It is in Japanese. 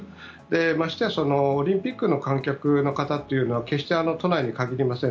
ましてやオリンピックの観客の方というのは決して都内に限りません。